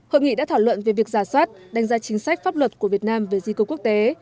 hội nghị đã thảo luận về việc giả soát đánh giá chính sách pháp luật của việt nam về di cư quốc tế